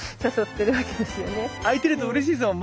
開いてるとうれしいですもん。